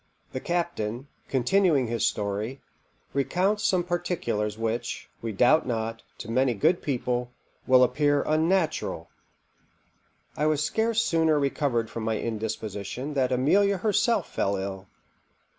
_The captain, continuing his story, recounts some particulars which, we doubt not, to many good people, will appear unnatural._ I was scarce sooner recovered from my indisposition than Amelia herself fell ill.